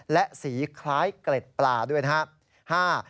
และสีคล้ายเกล็ดปลาด้วยนะครับ